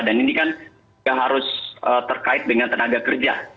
dan ini kan gak harus terkait dengan tenaga kerja